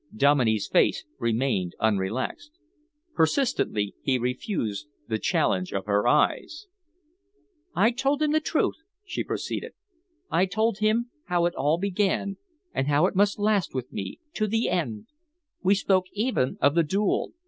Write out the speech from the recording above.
Dominey's face remained unrelaxed. Persistently he refused the challenge of her eyes. "I told him the truth," she proceeded. "I told him how it all began, and how it must last with me to the end. We spoke even of the duel.